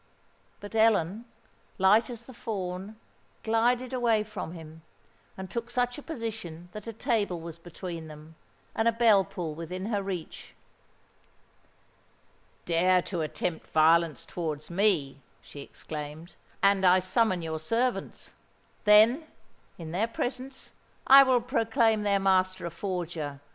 But Ellen, light as the fawn, glided away from him, and took such a position that a table was between them, and a bell pull within her reach. "Dare to attempt violence towards me," she exclaimed, "and I summon your servants. Then—in their presence—I will proclaim their master a forger!